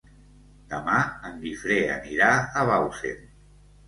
Demà en Guifré anirà a Bausen.